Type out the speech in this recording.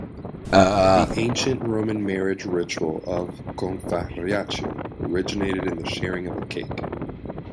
The Ancient Roman marriage ritual of "confarreatio" originated in the sharing of a cake.